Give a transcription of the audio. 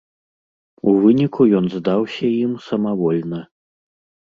У выніку ён здаўся ім самавольна.